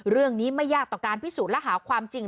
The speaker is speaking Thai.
เรื่องนี้ไม่ยากต่อการพิสูจน์และหาความจริง